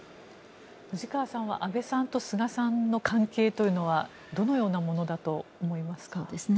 藤川さんは、安倍さんと菅さんの関係というのはどのようなものだと思いますか。